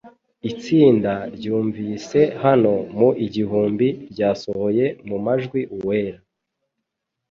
Itsinda ryumvise hano mu igihumbi ryasohoye mu majwi "Uwera":